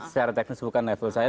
secara teknis bukan level saya